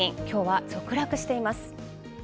今日は続落しています。